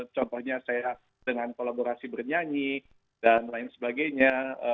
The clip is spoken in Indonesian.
contohnya saya dengan kolaborasi bernyanyi dan lain sebagainya